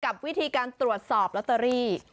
กับวิธีการตรวจสอบลอตเตอรี่